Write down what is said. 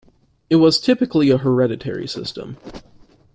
It was typically a hereditary system.